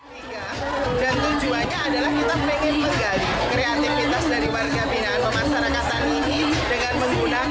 dan tujuannya adalah kita ingin menggali kreativitas dari warga pindahan